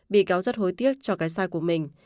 bị cáo rất hối tiếc cho cái sai của mình